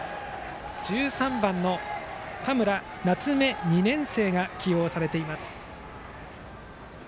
１３番の田村夏芽、２年生が起用されています。